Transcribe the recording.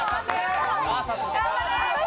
頑張れ！